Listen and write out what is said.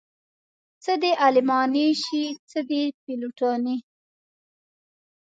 څه دې عالمانې شي څه دې پيلوټانې